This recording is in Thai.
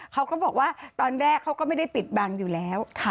เขาก็บอกว่าตอนแรกเขาก็ไม่ได้ปิดบังอยู่แล้ว